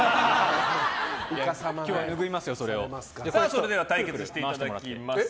それでは対決していただきます。